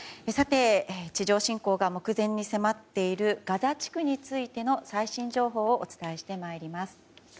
地上侵攻が目前に迫っているガザ地区についての最新情報をお伝えしてまいります。